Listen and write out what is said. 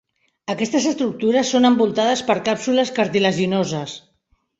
Aquestes estructures són envoltades per càpsules cartilaginoses.